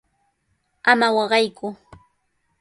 ¡Ama waqayku!